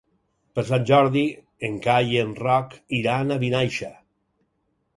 Per Sant Jordi en Cai i en Roc iran a Vinaixa.